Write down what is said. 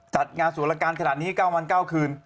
จัดงานสวรการขนาดนี้๙วัน๙คืน